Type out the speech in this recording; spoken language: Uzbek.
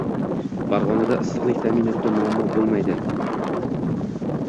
Farg‘onada issiqlik ta’minotida muammo bo‘lmaydi